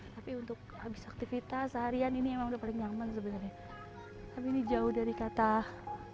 tapi untuk habis aktivitas seharian ini emang udah paling nyaman sebenarnya tapi ini jauh dari kata